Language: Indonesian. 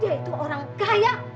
kewhen este monster ya kawan